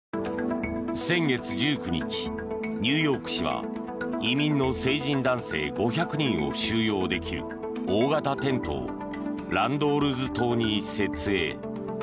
先月１９日ニューヨーク市は移民の成人男性５００人を収容できる大型テントをランドルーズ島に設営。